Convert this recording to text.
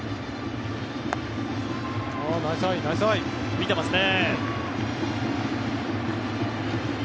見てますね。